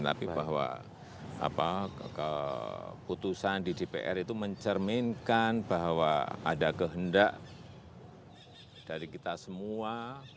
tapi bahwa keputusan di dpr itu mencerminkan bahwa ada kehendak dari kita semua